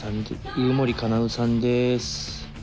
鵜久森叶さんです。